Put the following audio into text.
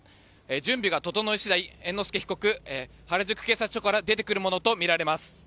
準備が整い次第猿之助被告は原宿警察署から出てくるものとみられます。